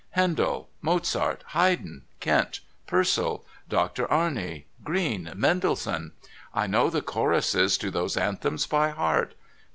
' Handel, Mozart, Haydn, Kent, Purcell, Doctor Arne, Greene, Mendelssohn. I know the choruses to those anthems by heart.